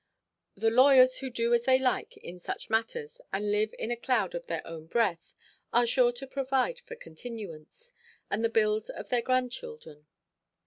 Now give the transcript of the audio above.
The lawyers, who do as they like in such matters, and live in a cloud of their own breath, are sure to provide for continuance, and the bills of their grandchildren.